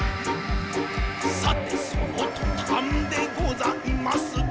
「さてその途端でございます。」